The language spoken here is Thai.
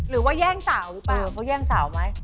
หรือว่าแย่งสาวหรือเปล่าแล้วแย่งสาวไหม